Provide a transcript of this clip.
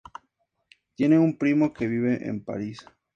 Tiene un primo que vive en París.